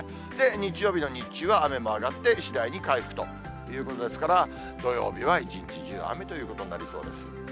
日曜日の日中は雨も上がって次第に回復ということですから、土曜日は一日中、雨ということになりそうです。